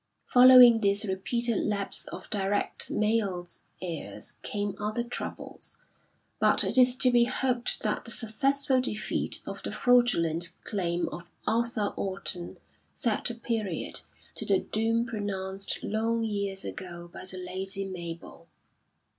Following this repeated lapse of direct male heirs came other troubles; but it is to be hoped that the successful defeat of the fraudulent claim of Arthur Orton set a period to the doom pronounced long years ago by the Lady Mabell.